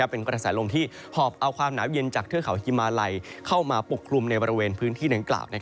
เป็นกระแสลมที่หอบเอาความหนาวเย็นจากเทือกเขาฮิมาลัยเข้ามาปกคลุมในบริเวณพื้นที่ดังกล่าว